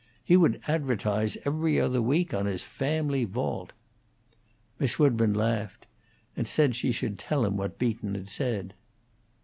He would advertise 'Every Other Week' on his family vault." Miss Woodburn laughed, and said she should tell him what Beaton had said.